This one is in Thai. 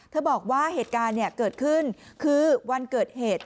บอกว่าเหตุการณ์เกิดขึ้นคือวันเกิดเหตุ